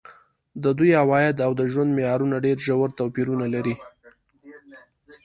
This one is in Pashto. د دوی عواید او د ژوند معیارونه ډېر ژور توپیرونه لري.